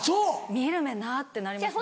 見る目なっ！ってなりますね。